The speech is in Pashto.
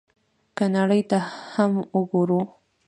که نړۍ ته هم وګورو،